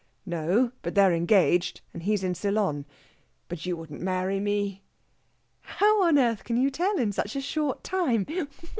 "No! but they're engaged, and he's in Ceylon. But you wouldn't marry me...." "How on earth can you tell, in such a short time?